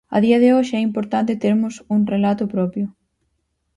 A día de hoxe é importante termos un relato propio.